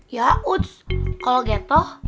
ya uts kalau getoh